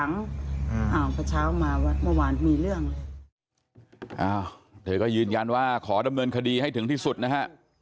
อ่าพอเช้ามาวัดเมื่อวานมีเรื่องห้ะเธอก็ยืนยันว่าขอดำเนินคดีให้ถึงที่สุดนะฮะ